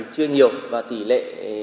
chưa nhiều và tỷ lệ